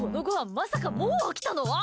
まさかもう飽きたの？